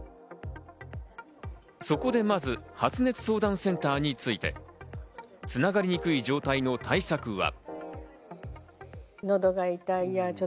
そこで、まず発熱相談センターについて、つながりにくい状態の対策は？